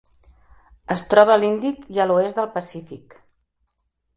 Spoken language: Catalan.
Es troba a l'Índic i l'oest del Pacífic.